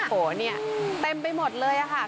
โหเนี่ยเต็มไปหมดเลยค่ะ